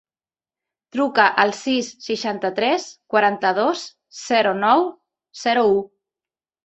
Truca al sis, seixanta-tres, quaranta-dos, zero, nou, zero, u.